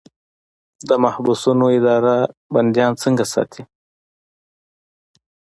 د محبسونو اداره بندیان څنګه ساتي؟